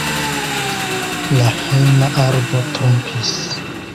La hejma arbo trompis.